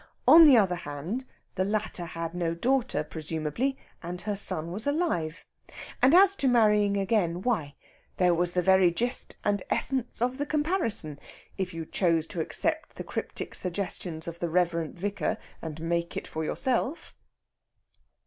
On the other hand, the latter had no daughter, presumably, and her son was alive. And as to marrying again, why, there was the very gist and essence of the comparison, if you chose to accept the cryptic suggestions of the Revd. Vicar, and make it for yourself.